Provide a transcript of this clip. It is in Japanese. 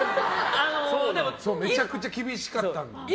めちゃくちゃ厳しかったんだって。